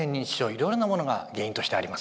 いろいろなものが原因としてあります。